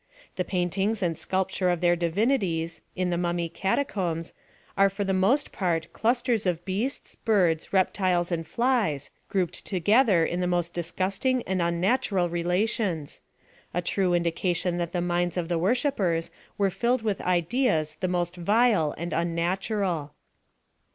The paintings and sculpture of their divini tks, in the mummy catacombs, are for the most 40 PHILOSOPHY OF THE part, clusters of beasts, birds, reptiles and flies, grouped together in the most disgusting and un* natural relations ; a true indication that the minds of the worshippers were filled with ideas the mosi vile and unnatural.